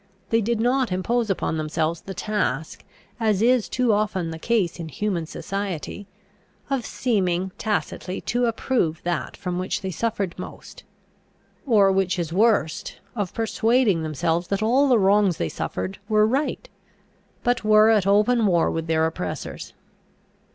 They did not impose upon themselves the task, as is too often the case in human society, of seeming tacitly to approve that from which they suffered most; or, which is worst, of persuading themselves that all the wrongs they suffered were right; but were at open war with their oppressors.